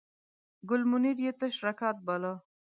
ګل منیر یې تش راکات باله.